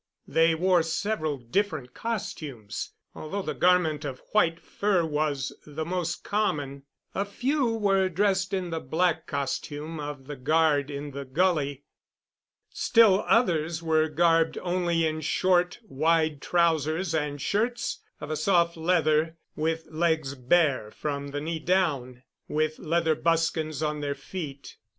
They wore several different costumes, although the garment of white fur was the most common. A few were dressed in the black costume of the guard in the gully. Still others were garbed only in short, wide trousers and shirts of a soft leather, with legs bare from the knee down, and with leather buskins on their feet.